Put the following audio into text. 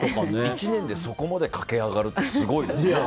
１年でそこまで駆け上がるってすごいですね。